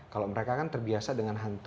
kalau mereka kan terbiasa dengan hantu